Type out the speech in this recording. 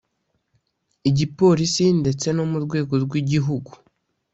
igipolisi ndetse no mu rwego rw’igihugu